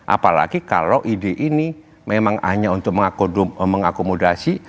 apalagi kalau ide ini memang hanya untuk mengakomodasi